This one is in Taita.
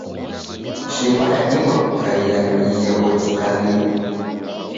Shimba yadima kukaia na ighegho jikalie.